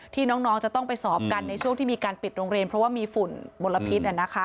ที่น้องจะต้องไปสอบกันในช่วงที่มีการปิดโรงเรียนเพราะว่ามีฝุ่นมลพิษ